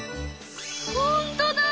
ほんとだ！